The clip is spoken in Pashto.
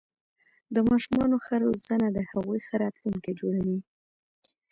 د ماشومانو ښه روزنه د هغوی ښه راتلونکې جوړوي.